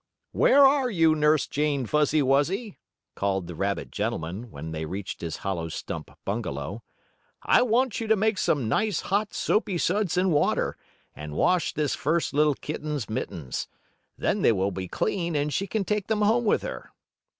"Where are you, Nurse Jane Fuzzy Wuzzy?" called the rabbit gentleman, when they reached his hollow stump bungalow. "I want you to make some nice, hot, soapy suds and water, and wash this first little kitten's mittens. Then they will be clean, and she can take them home with her."